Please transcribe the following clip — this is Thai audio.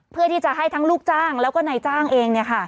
เพื่อที่จะให้ทั้งลูกจ้างแล้วก็นายจ้างเอง